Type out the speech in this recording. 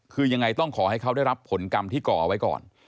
คือยังไงต้องขอให้เขาได้รับผลกรรมที่ก่อไว้ก่อน